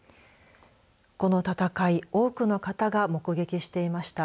この戦い多くの方が目撃していました。